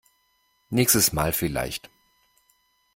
Nächstes Mal vielleicht.